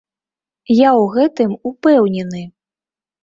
Я ў гэтым ўпэўнены!